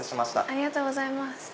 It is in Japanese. ありがとうございます。